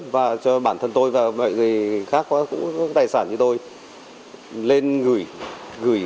và cho bản thân tôi và mọi người khác có tài sản như tôi lên gửi